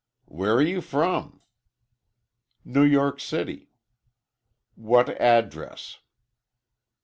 "Where are you from?" "New York City." "What address?"